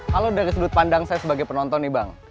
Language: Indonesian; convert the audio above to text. halo dari sudut pandang saya sebagai penonton nih bang